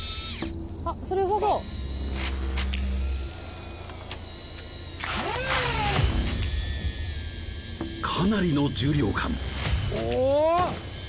あそれよさそうかなりの重量感お！